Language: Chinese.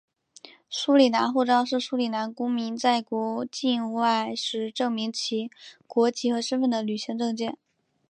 苏里南护照是苏里南公民在国境外时证明其国籍和身份的旅行证件。